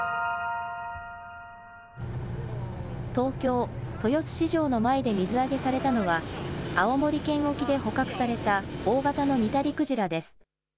東京・豊洲市場の前で水揚げされたのは、青森県沖で捕獲された大型のニタリクジラです。